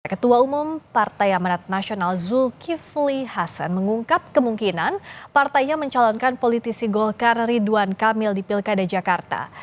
ketua umum partai amanat nasional zulkifli hasan mengungkap kemungkinan partainya mencalonkan politisi golkar ridwan kamil di pilkada jakarta